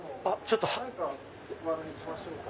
何かご案内しましょうか？